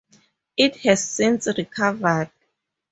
It has since recovered.